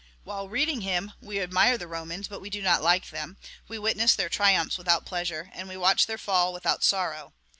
While reading him we admire the Romans, but we do not like them; we witness their triumphs without pleasure, and we watch their fall without sorrow.